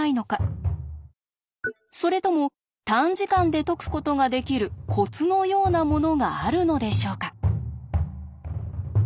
それとも短時間で解くことができるコツのようなものがあるのでしょうか？